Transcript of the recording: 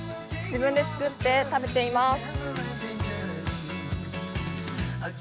自分で作って食べています。